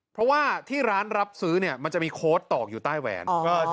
เพราะว่าที่ร้านรับซื้อเนี่ยมันจะมีโค้ดตอกอยู่ใต้แหวน